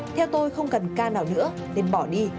theo tôi không cần ca nào nữa nên bỏ đi